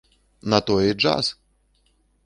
На тое і джаз!